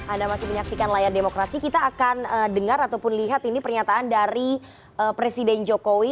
anda masih menyaksikan layar demokrasi kita akan dengar ataupun lihat ini pernyataan dari presiden jokowi